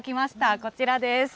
こちらです。